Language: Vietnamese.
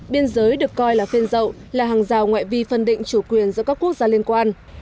biên giới được coi là phiên rậu là hàng rào ngoại vi phân định chủ quyền giữa các quốc gia liên quan